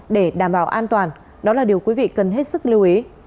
để đảm bảo an toàn đó là điều quý vị cần hết sức lưu ý